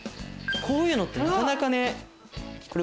こういうのってなかなかね。